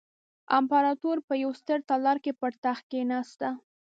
امپراتور په یوه ستر تالار کې پر تخت کېناسته.